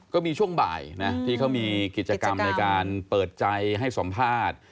ก็มีช่วงบ่ายนะที่เขามีกิจกรรมในการเปิดใจให้สัมภาษณ์